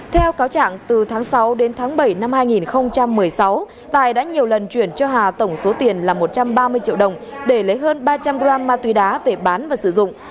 theo cáo trạng từ tháng sáu đến tháng bảy năm hai nghìn một mươi sáu tài đã nhiều lần chuyển cho hà tổng số tiền là một trăm ba mươi triệu đồng để lấy hơn ba trăm linh g ma túy đá về bán và sử dụng